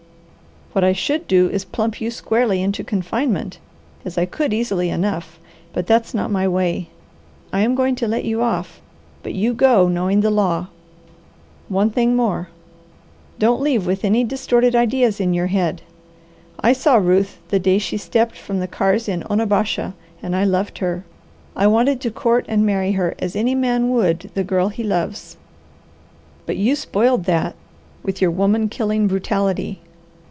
"What I should do is to plump you squarely into confinement, as I could easily enough, but that's not my way. I am going to let you off, but you go knowing the law. One thing more: Don't leave with any distorted ideas in your head. I saw Ruth the day she stepped from the cars in Onabasha and I loved her. I wanted to court and marry her, as any man would the girl he loves, but you spoiled that with your woman killing brutality.